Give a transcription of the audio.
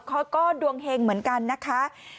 เขาก็ดวงเฮงเหมือนกันนะคะ